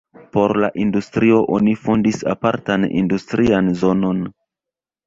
Por la industrio oni fondis apartan industrian zonon.